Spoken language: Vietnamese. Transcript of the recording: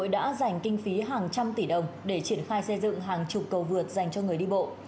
đã dành kinh phí hàng trăm tỷ đồng để triển khai xây dựng hàng chục cầu vượt dành cho người đi bộ